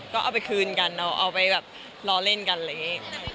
จะไปหล่อเล่นกันอะไรอย่างงี้